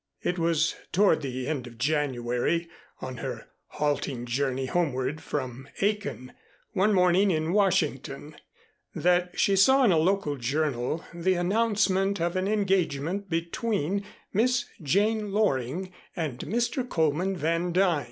It was toward the end of January on her halting journey homeward from Aiken, one morning in Washington, that she saw in a local journal the announcement of an engagement between Miss Jane Loring and Mr. Coleman Van Duyn.